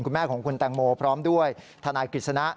คุณแม่ของคุณแตงโมพร้อมด้วยทนายกฤษณะ